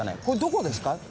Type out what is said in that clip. これどこですか？